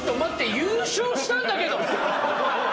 優勝したんだけど！